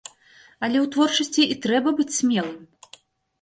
Але ў творчасці і трэба быць смелым!